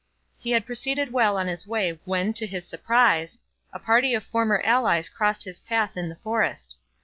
He had proceeded well on his way when, to his surprise, a party of former allies crossed his path in the forest.